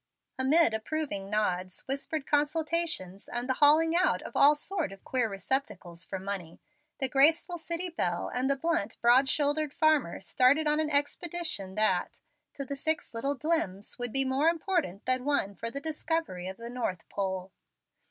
Amid approving nods, whispered consultations, and the hauling out of all sorts of queer receptacles for money, the graceful city belle and the blunt, broad shouldered farmer started on an expedition that, to the six little Dlimms, would be more important than one for the discovery of the North Pole.